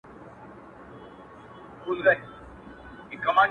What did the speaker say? • چي خبره د رښتیا سي هم ترخه سي..